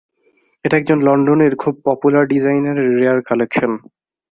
এটা একজন লন্ডনের খুব পপুলার ডিজাইনারের রেয়ার কালেকশন।